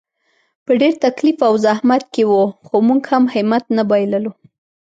په ډېر تکلیف او زحمت کې وو، خو موږ هم همت نه بایللو.